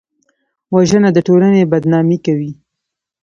وژنه د ټولنې بدنامه کوي